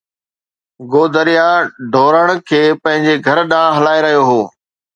گودريا ڍورن کي پنھنجي گھر ڏانھن ھلائي رھيو ھو.